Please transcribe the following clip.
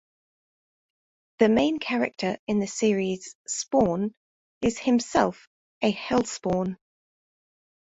The main character in the series, Spawn, is himself a Hellspawn.